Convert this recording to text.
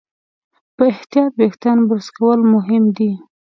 په احتیاط وېښتيان برس کول مهم دي.